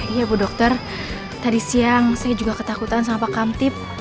iya bu dokter tadi siang saya juga ketakutan sama pak kamtip